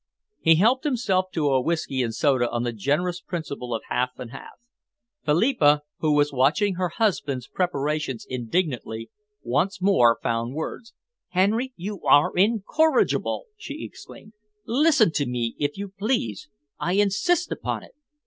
He helped himself to a whisky and soda on the generous principle of half and half. Philippa, who was watching her husband's preparations indignantly, once more found words. "Henry, you are incorrigible!" she exclaimed. "Listen to me if you please. I insist upon it."